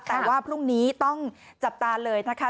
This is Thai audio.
แต่ว่าพรุ่งนี้ต้องจับตาเลยนะคะ